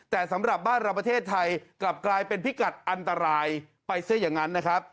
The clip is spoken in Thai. แต่สำหรับบ้านเราประเทศไทยกลับกลายเป็นพิกัดอันตรายไปซะอย่างนั้นนะครับ